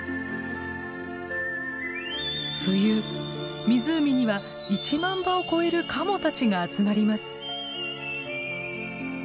冬湖には１万羽を超えるカモたちが集まります。